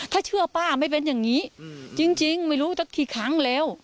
ถ้าเชื่อป้าไม่เป็นอย่างนี้จริงไม่รู้สักกี่ครั้งแล้ว